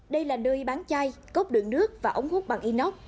đây là nơi bán chai cốc đường nước và ống hút bằng inox